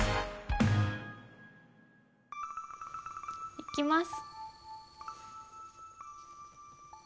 いきます。